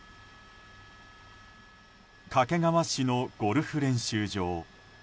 掛川市のゴルフ練習場。